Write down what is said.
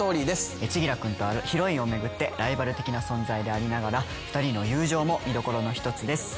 千輝君とヒロインを巡ってライバル的な存在でありながら２人の友情も見どころの１つです。